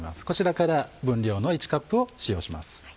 こちらから分量の１カップを使用します。